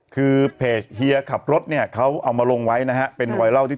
คือเพจเฮียขับรถเนี่ยเขาเอามาลงไว้นะฮะเป็นไวรัลที่